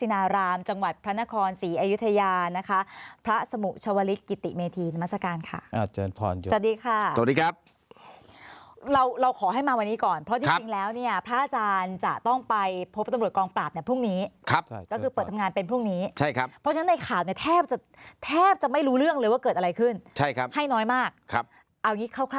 นารามจังหวัดพระนครศรีอยุธยานะคะพระสมุชวลิศกิติเมธีนามัศกาลค่ะอาจารย์พรอยู่สวัสดีค่ะสวัสดีครับเราเราขอให้มาวันนี้ก่อนเพราะจริงแล้วเนี่ยพระอาจารย์จะต้องไปพบตำรวจกองปราบเนี่ยพรุ่งนี้ครับใช่ก็คือเปิดทำงานเป็นพรุ่งนี้ใช่ครับเพราะฉะนั้นในข่าวเนี่ยแทบจะแทบจะไม่รู้เรื่องเลยว่าเกิดอะไรขึ้นใช่ครับให้น้อยมากครับเอางี้เข้าค